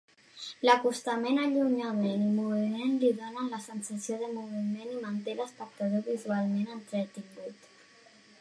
L'acostament, allunyament i moviment li donen la sensació de moviment i manté l'espectador visualment entretingut.